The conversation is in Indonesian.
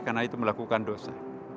karena itu melakukan dosa